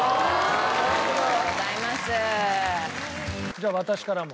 じゃあ私からも。